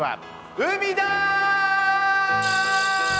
海だー！